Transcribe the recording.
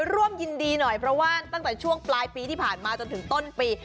ร่วมยินดีหน่อยเพราะว่าตั้งแต่ช่วงปลายปีที่ผ่านมาจนถึงต้นปี